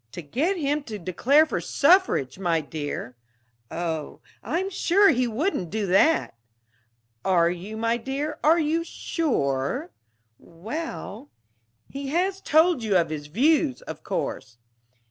"To get him to declare for suffrage, my dear." "Oh I'm sure he wouldn't do that!" "Are you, my dear? Are you sure?" "Well " "He has told you his views, of course?"